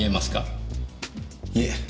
いえ。